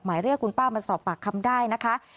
หมายเรียกคุณป้ามาสอบปากคำได้นะคะ